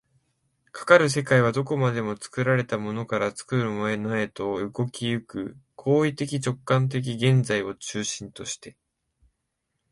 かかる世界はどこまでも作られたものから作るものへと、動き行く行為的直観的現在を中心として、